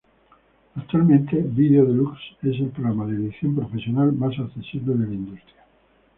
Actualmente Video deluxe es el programa de edición profesional más accesible de la industria.